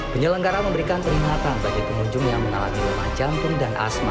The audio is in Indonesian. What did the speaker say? penyelenggara memberikan peringatan bagi pengunjung yang menalami lupa jantung dan asma